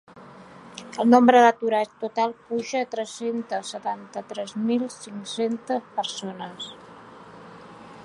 El nombre d’aturats total puja a tres-centes setanta-tres mil cinc-centes persones.